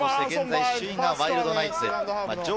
現在、首位はワイルドナイツ。